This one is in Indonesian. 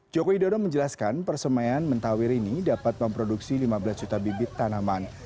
joko widodo menjelaskan persemaian mentawir ini dapat memproduksi lima belas juta bibit tanaman